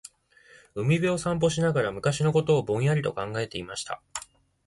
•海辺を散歩しながら、昔のことをぼんやりと考えていました。